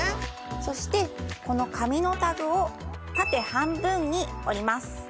そしてこの紙のタグを縦半分に折ります